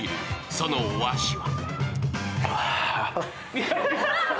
そのお味は？